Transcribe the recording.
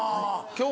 今日。